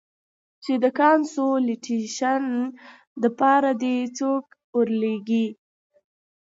چې د کانسولټېشن د پاره دې څوک ارولېږي.